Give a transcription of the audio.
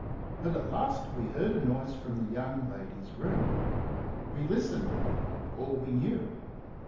But at last we heard a noise from the young lady's room. We listened all we knew.